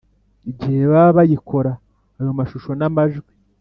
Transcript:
igihe baba bayikora Ayo mashusho n amajwi